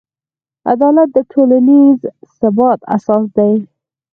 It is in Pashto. عدالت د ټولنیز ثبات اساس دی.